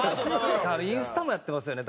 インスタもやってますよね